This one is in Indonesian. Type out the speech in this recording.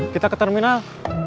kita ke terminal